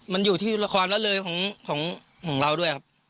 มันอยู่ที่ความละเลยของเราด้วยครับ